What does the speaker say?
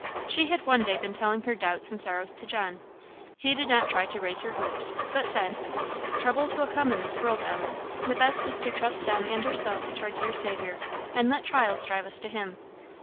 She had one day been telling her doubts and sorrows to John. He did not try to raise her hopes, but said "Troubles will come in this world, Ellie; the best is to trust them and ourselves to our dear Saviour, and let trials drive us to him.